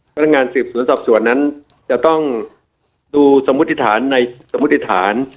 พนักงานสืบสวนสอบสวนนั้นจะต้องดูสมมุติฐานในสมมุติฐาน